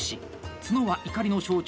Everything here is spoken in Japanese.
角は怒りの象徴。